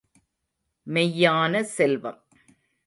மெய்யான செல்வம் ….